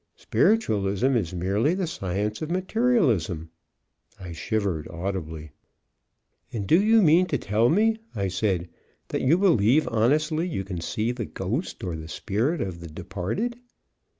Spiritualism is merely the science of materialism." I shivered audibly. "And do you mean to tell me," I said, "that you believe honestly you can see the ghost, or the spirit of the departed?"